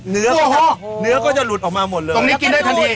เนื้อก็หอบเนื้อก็จะหลุดออกมาหมดเลยตรงนี้กินได้ทันที